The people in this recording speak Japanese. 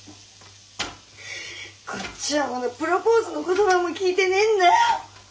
こっちはまだプロポーズの言葉も聞いてねえんだよ！